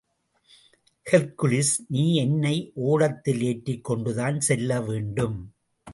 Hercules, நீ என்னை ஓடத்தில் ஏற்றிக் கொண்டுதான் செல்ல வேண்டும்!